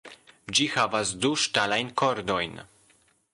Ĝi havas du ŝtalajn kordojn.